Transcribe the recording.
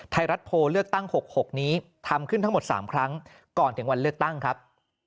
ไทยรัฐโพลเลือกตั้ง๖๖นี้ทำขึ้นทั้งหมด๓ครั้งก่อนถึงวันเลือกตั้งครับ